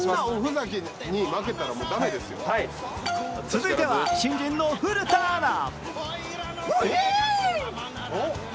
続いては新人の古田アナ。